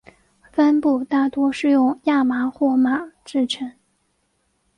帆布大多是用亚麻或麻制成。